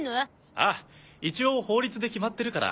ああ一応法律で決まってるから。